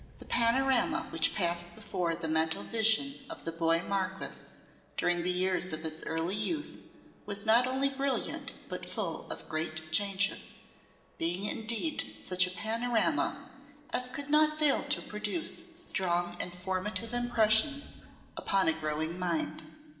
The panorama which passed before the mental vision of the boy Marquess during the years of his early youth was not only brilliant but full of great changes, being indeed such a panorama as could not fail to produce strong and formative impressions upon a growing mind.